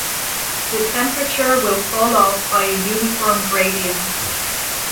The temperature will fall off by a uniform gradient.